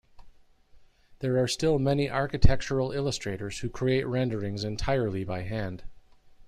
There are still many architectural illustrators who create renderings entirely by hand.